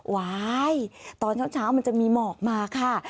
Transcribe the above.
ว้ายตอนเช้ามันจะมีหมอกมาค่ะ